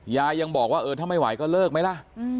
ยังบอกว่าเออถ้าไม่ไหวก็เลิกไหมล่ะ